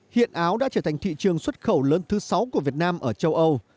hiện áo đã trở thành thị trường xuất khẩu lớn thứ sáu của việt nam ở châu âu